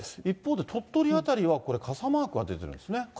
一方で鳥取辺りはこれ、傘マークが出てるんですね。